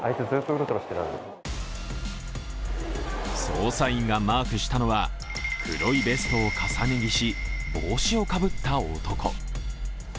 捜査員がマークしたのは黒いベストを重ね着し帽子をかぶった男。